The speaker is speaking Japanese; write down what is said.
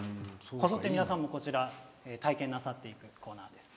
こぞって皆さんもこちら体験していくコーナーなんです。